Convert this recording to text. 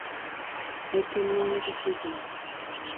¿É que non os escoitou?